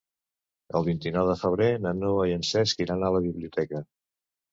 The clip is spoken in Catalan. El vint-i-nou de febrer na Noa i en Cesc iran a la biblioteca.